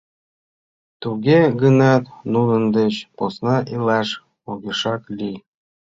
Туге гынат нунын деч посна илаш огешак лий.